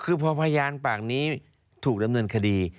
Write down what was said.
คือพอพยานปากนี้ถูกดำเนินคดี